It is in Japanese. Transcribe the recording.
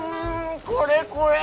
これこれ！